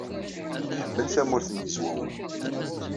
Iḥemmel Tamurt n Yezwawen.